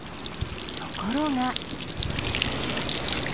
ところが。